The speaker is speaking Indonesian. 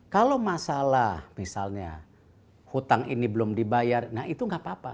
kalau masalah misalnya hutang ini belum dibayar nah itu nggak apa apa